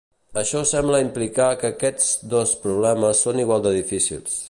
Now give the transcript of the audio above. Això sembla implicar que aquests dos problemes són igual de difícils.